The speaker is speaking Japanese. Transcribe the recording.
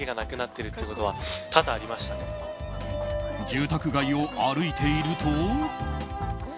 住宅街を歩いていると。